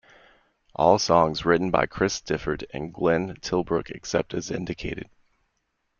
All songs written by Chris Difford and Glenn Tilbrook except as indicated.